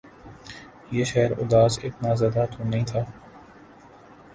یہ شہر اداس اتنا زیادہ تو نہیں تھا